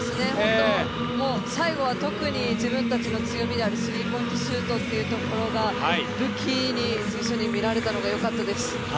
もう最後は特に自分たちの強みであるスリーポイントシュートというところが武器に、随所に見られたのがよかったです。